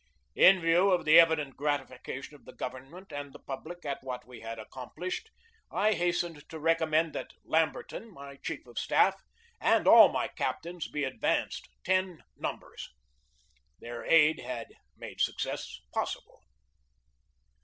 In view of the evident gratification of the government and the public at what we had accomplished, I hastened to recommend that Lamberton, my chief of staff, and all my cap tains be advanced ten numbers. Their aid had made success possible.